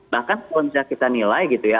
bahkan kalau misalnya kita nilai gitu ya